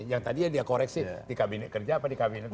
yang tadi ya dia koreksi di kabinet kerja apa di kabinet apa